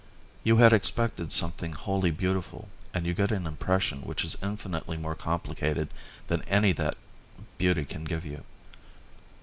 You had expected something wholly beautiful and you get an impression which is infinitely more complicated than any that beauty can give you.